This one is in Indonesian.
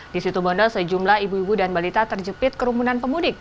di situ bondo sejumlah ibu ibu dan balita terjepit kerumunan pemudik